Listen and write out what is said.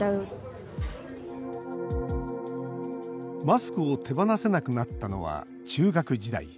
マスクを手放せなくなったのは中学時代。